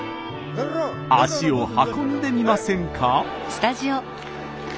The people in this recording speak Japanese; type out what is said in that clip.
足を運んでみませんか？